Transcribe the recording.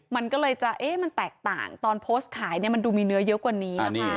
มันก็เลยจะมันแตกต่างตอนโพสต์ขายเนี่ยมันดูมีเนื้อเยอะกว่านี้นะคะ